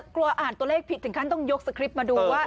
กลัวอ่านตัวเลขผิดถึงขั้นต้องยกสคริปต์มาดูว่า